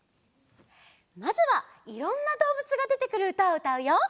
まずはいろんなどうぶつがでてくるうたをうたうよ。